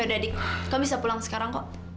ya udah dik kau bisa pulang sekarang kok